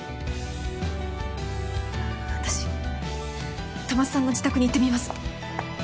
私戸松さんの自宅に行ってみます。